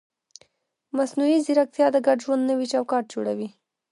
مصنوعي ځیرکتیا د ګډ ژوند نوی چوکاټ جوړوي.